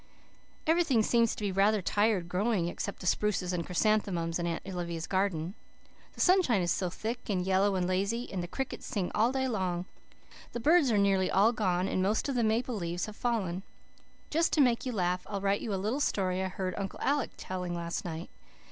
"Everything seems to be rather tired growing except the spruces and chrysanthemums in Aunt Olivia's garden. The sunshine is so thick and yellow and lazy, and the crickets sing all day long. The birds are nearly all gone and most of the maple leaves have fallen. "Just to make you laugh I'll write you a little story I heard Uncle Alec telling last night.